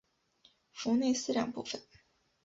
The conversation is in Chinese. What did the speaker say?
弗内斯两部分。